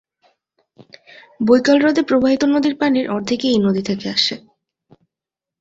বৈকাল হ্রদে প্রবাহিত নদীর পানির অর্ধেকই এই নদী থেকে আসে।